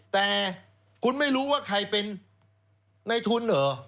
แต่คุณไม่รู้ว่าใครเป็นในทุนเหรอ